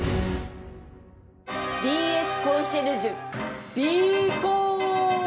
「ＢＳコンシェルジュ」「びぃコン」！